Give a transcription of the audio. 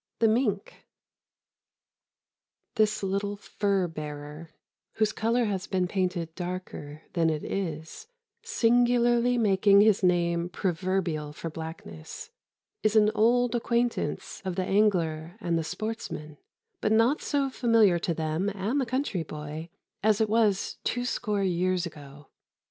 V THE MINK This little fur bearer, whose color has been painted darker than it is, singularly making his name proverbial for blackness, is an old acquaintance of the angler and the sportsman, but not so familiar to them and the country boy as it was twoscore years ago.